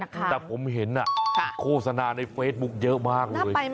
แต่ผมเห็นโฆษณาในเฟซบุ๊คเยอะมากเลย